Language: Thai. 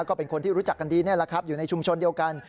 ก็เป็นคนที่รู้จักกันดีนี่แหละครับอยู่ในชุมชนเดียวกัน